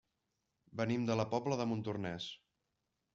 Venim de la Pobla de Montornès.